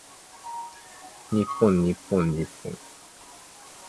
比卖神为日本神道的神只。